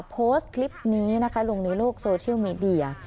โพสต์คลิปนี้นะคะลงทั้งโลกโซเชียลเมดีย์